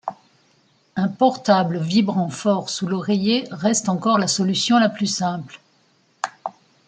Un portable vibrant fort sous l’oreiller reste encore la solution la plus simple.